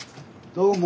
どうも。